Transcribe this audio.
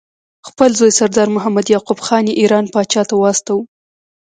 خپل زوی سردار محمد یعقوب خان یې ایران پاچا ته واستاوه.